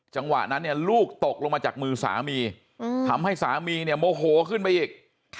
จังหวะนั้นเนี่ยลูกตกลงมาจากมือสามีทำให้สามีเนี่ยโมโหขึ้นไปอีก